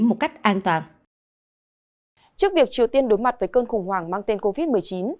cho các nước an toàn trước việc triều tiên đối mặt với cơn khủng hoảng mang tên covid một mươi chín